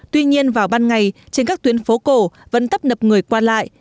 tuy nhiên vào ban ngày trên các tuyến phố cổ vẫn tấp nập người qua lại